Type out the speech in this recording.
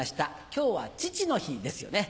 今日は父の日ですよね。